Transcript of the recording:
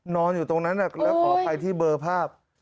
นอนอยู่ตรงนั้นแล้วขออภัยที่เบอร์ภาพ